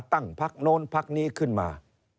ตั้งพักโน้นพักนี้ขึ้นมา